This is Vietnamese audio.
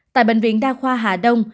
tại bệnh viện đa khoa hà đông